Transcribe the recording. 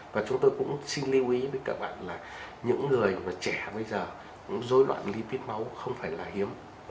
và chúng tôi cũng xin lưu ý với các bạn là những người trẻ bây giờ dối loạn lý tiết máu không phải là hiếm